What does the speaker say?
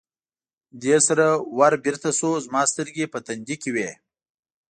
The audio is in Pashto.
دې سره ور بېرته شو، زما سترګې په تندي کې وې.